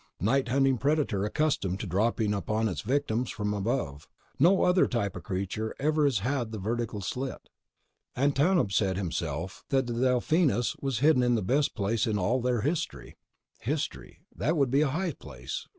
"Night hunting predator accustomed to dropping upon its victims from above. No other type of creature ever has had the vertical slit. And Tanub said himself that the Delphinus was hidden in the best place in all of their history. History? That'd be a high place.